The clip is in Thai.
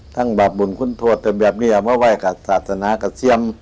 ทั้งบาปบุญพุทธโทษแต่แบบนี้เอาไว้กับศาสนากับเชียม